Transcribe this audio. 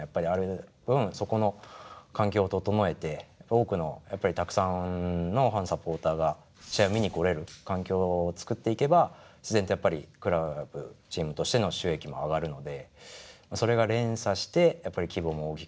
多くのやっぱりたくさんのファンサポーターが試合を見に来れる環境をつくっていけば自然とやっぱりクラブチームとしての収益も上がるのでそれが連鎖してやっぱり規模も大きくなって。